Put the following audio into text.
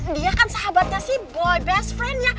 dia kan sahabatnya si boy best friendnya